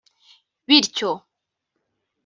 bityo